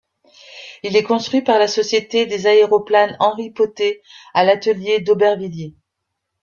Il est construit par la société des Aéroplanes Henry Potez à l'atelier d'Aubervilliers.